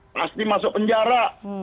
pasti masuk penjara